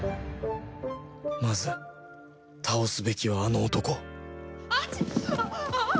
まず倒すべきはあの男アチッ！